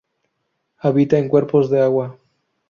Habita en cuerpos de agua.